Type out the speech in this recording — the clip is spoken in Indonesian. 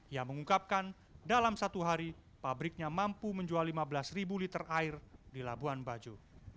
ia mengungkapkan dalam satu hari pabriknya mampu menjual lima belas liter air di labuan bajo